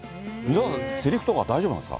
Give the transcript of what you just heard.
せりふとか大丈夫なんですか？